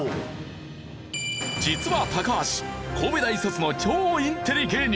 実は高橋神戸大卒の超インテリ芸人。